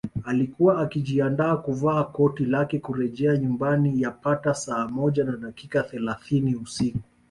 Alikuwa akijiandaa kuvaa koti lake kurejea nyumbani yapata saa moja na dakika thelathini usiku